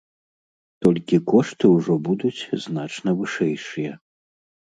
Толькі кошты ўжо будуць значна вышэйшыя.